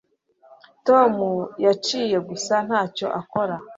Tom yicaye gusa ntacyo akora